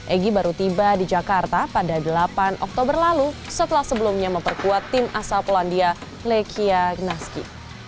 egy baru tiba di jakarta pada delapan oktober lalu setelah sebelumnya memperkuat tim asal polandia lechia gnaski